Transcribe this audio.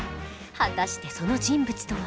果たしてその人物とは？